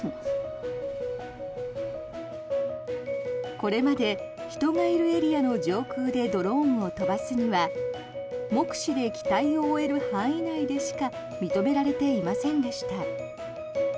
これまで人がいるエリアの上空でドローンを飛ばすには目視で機体を追える範囲内でしか認められていませんでした。